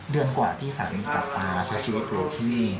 เดือนกว่าที่สามารถกลับมาชาชีวิตโปรที่นี่